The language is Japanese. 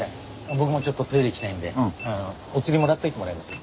僕もちょっとトイレ行きたいんでおつりもらっておいてもらえます？